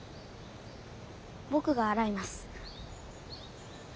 僕が洗います。